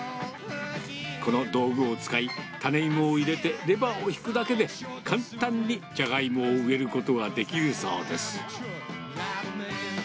この道具を使い、種芋を入れて、レバーを引くだけで、簡単にジャガイモを植えることができるそうです。